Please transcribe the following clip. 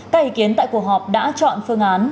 các ý kiến tại cuộc họp đã chọn phương án